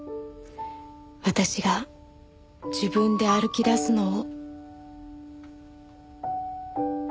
私が自分で歩き出すのを。